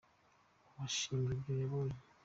Uwashinga ibyo yabonye